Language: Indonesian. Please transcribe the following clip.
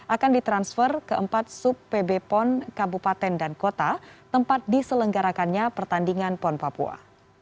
akan ditransfer ke empat sub pb pon kabupaten dan kota tempat diselenggarakannya pertandingan pon papua